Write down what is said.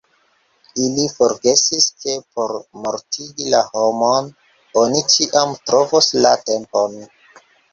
Ili forgesis, ke por mortigi la homon oni ĉiam trovos la tempon.